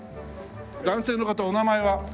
男性の方お名前は？